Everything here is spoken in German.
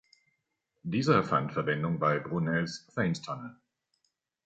Dieser fand Verwendung bei Brunels Thames Tunnel.